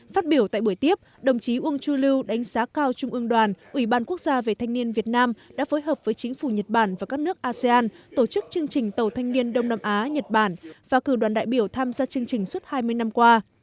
phát biểu tại buổi tiếp đồng chí uông chu lưu đánh giá cao trung ương đoàn ủy ban quốc gia về thanh niên việt nam đã phối hợp với chính phủ nhật bản và các nước asean tổ chức chương trình tàu thanh niên đông nam á nhật bản và cử đoàn đại biểu tham gia chương trình suốt hai mươi năm qua